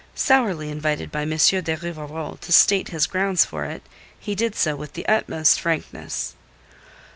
Sourly invited by M. de Rivarol to state his grounds for it, he did so with the utmost frankness.